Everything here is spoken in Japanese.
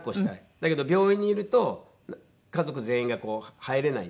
だけど病院にいると家族全員が入れないんで。